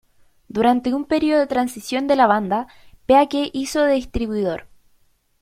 Durante un período de transición de la banda, Peake hizo de distribuidor.